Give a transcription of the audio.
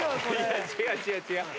違う、違う、違う。